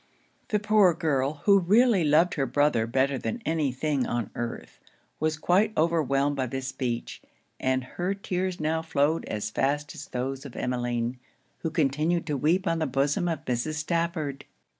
The poor girl, who really loved her brother better than any thing on earth, was quite overwhelmed by this speech; and her tears now flowed as fast as those of Emmeline, who continued to weep on the bosom of Mrs. Stafford.